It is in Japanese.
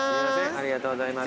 ありがとうございます。